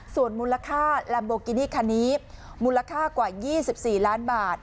ส่วนมูลค่าแลมโบกินี่คันนี้มูลค่ากว่า๒๔ล้านบาท